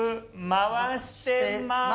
回してます。